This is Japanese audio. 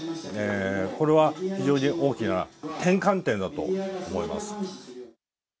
これは非常に大きな転換点だと思います。